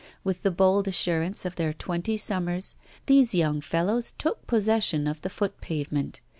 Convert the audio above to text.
With the bold assurance of their twenty summers, these young fellows took possession of the foot pavement.